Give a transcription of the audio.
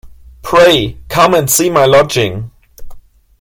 Pray come and see my lodging.